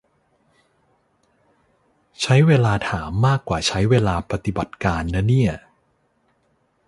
ใช้เวลาถามมากกว่าใช้เวลาปฏิบัติการนะเนี่ย